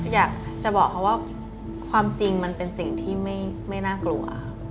อยากจะบอกเขาว่าความจริงมันเป็นสิ่งที่ไม่น่ากลัว